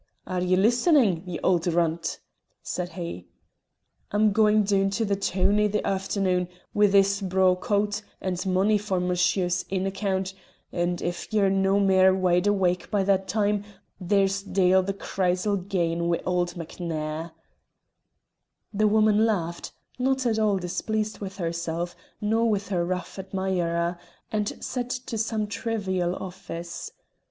"Are ye listenin', ye auld runt?" said he. "I'm goin' doon to the toon i' the aifternoon wi' this braw coat and money for Monsher's inn accoont, and if ye're no' mair wide awake by that time, there's deil the cries'll gae in wi' auld MacNair." The woman laughed, not at all displeased with herself nor with her rough admirer, and set to some trivial office.